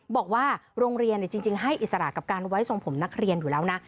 บอกว่าโรงเรียนจริงให้อิสระกับการไว้ทรงผมนักเรียนอยู่แล้วนะ